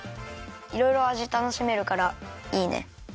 いろいろあじたのしめるからいいね。